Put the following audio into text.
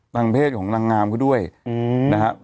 ทางเพศของนางงามเขาด้วยนะครับ